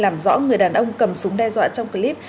làm rõ người đàn ông cầm súng đe dọa trong clip